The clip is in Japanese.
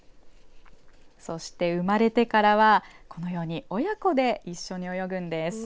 そして、生まれてからはこのように親子で一緒に泳ぐんです。